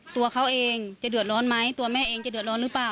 ตัวเขาเองจะเดือดร้อนไหมตัวแม่เองจะเดือดร้อนหรือเปล่า